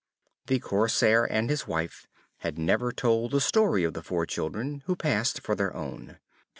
The Corsair and his wife had never told the story of the four children, who passed for their own.